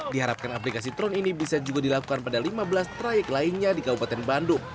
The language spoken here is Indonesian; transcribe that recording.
diharapkan aplikasi tron ini bisa juga dilakukan pada lima belas trayek lainnya di kabupaten bandung